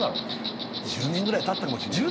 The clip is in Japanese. １０年ぐらいたったかもしんないね。